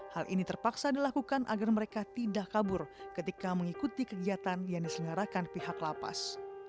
hal ini terpaksa dilakukan agar mereka tidak kabur ketika mengikuti kegiatan yang diselenggarakan pihak lapas